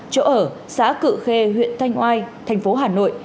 chỗ ở xã cự khê huyện thanh oai thành phố hà nội